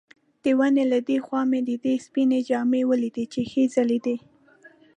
د ونو له دې خوا مو د دوی سپینې جامې ولیدلې چې ښې ځلېدې.